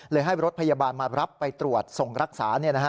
ให้รถพยาบาลมารับไปตรวจส่งรักษา